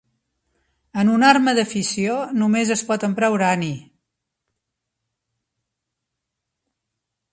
En una arma de fissió només es pot emprar urani.